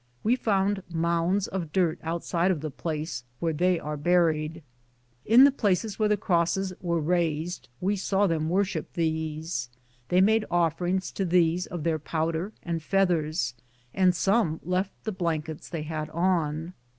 We found mounds of dirt outside of the place, where they are buried. In the places where crosses were raised, we saw them worship these. They made offerings to these of their powder and feathers, and some left the blankets they had on.